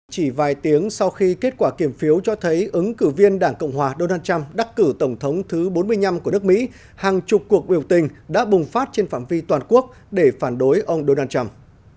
chỉ vài tiếng sau khi kết quả kiểm phiếu cho thấy ứng cử viên đảng cộng hòa donald trump đắc cử tổng thống thứ bốn mươi năm của nước mỹ hàng chục cuộc biểu tình đã bùng phát trên phạm vi toàn quốc để phản đối ông donald trump